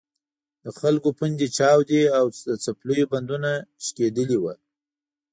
د خلکو پوندې چاودې او د څپلیو بندونه شلېدلي وو.